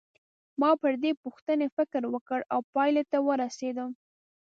ما پر دې پوښتنې فکر وکړ او پایلې ته ورسېدم.